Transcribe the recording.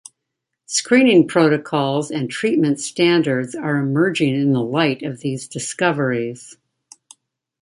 Screening protocols and treatment standards are emerging in the light of these discoveries.